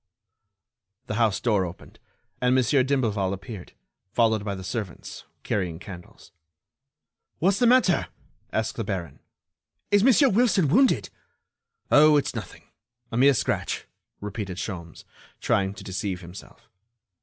The house door opened, and Monsieur d'Imblevalle appeared, followed by the servants, carrying candles. "What's the matter?" asked the baron. "Is Monsieur Wilson wounded?" "Oh! it's nothing—a mere scratch," repeated Sholmes, trying to deceive himself.